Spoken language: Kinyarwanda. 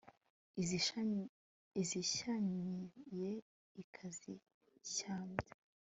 Iziyishyamiye ikazishyambya